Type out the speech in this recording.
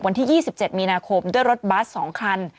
วันที่๒๗มีนาคมด้วยรถบัส๒คัน